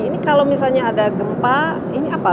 jadi ini kalau misalnya ada gempa ini apa